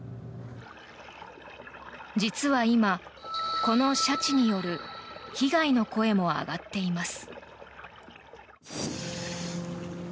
実は今、このシャチによる被害の声も上がっています。